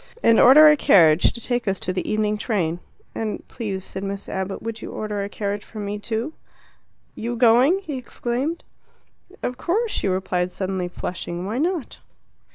"And order a carriage to take us to the evening train." "And please," said Miss Abbott, "would you order a carriage for me too?" "You going?" he exclaimed. "Of course," she replied, suddenly flushing. "Why not?"